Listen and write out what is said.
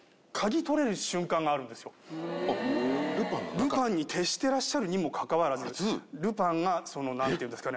ルパンに徹していらっしゃるにもかかわらずルパンがそのなんていうんですかね。